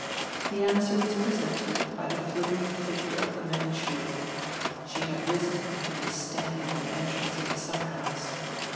The answer was presented by the glittering figure of the Manchu; she had risen and was standing in the entrance of the summerhouse.